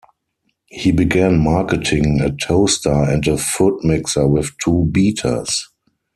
He began marketing a toaster and a food mixer with two beaters.